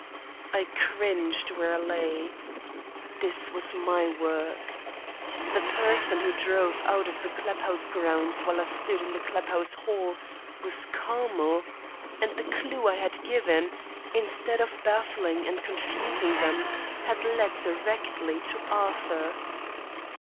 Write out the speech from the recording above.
I cringed where I lay. This was my work. The person who drove out of the club house grounds while I stood in the club house hall was Carmel and the clew I had given, instead of baffling and confusing them, had led directly to Arthur!